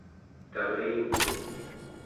taringuq